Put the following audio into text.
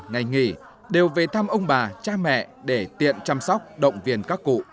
ngày nghỉ đều về thăm ông bà cha mẹ để tiện chăm sóc động viên các cụ